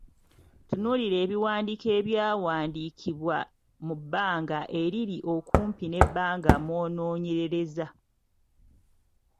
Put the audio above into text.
Tunuulira ebiwandiiko ebyakawandiikibwa mu bbanga eriri okumpi n’ebbanga mw’onoonyerereza.